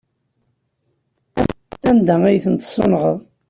Anda ay tent-tessunɣeḍ?